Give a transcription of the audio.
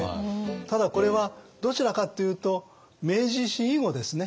ただこれはどちらかっていうと明治維新以後ですね。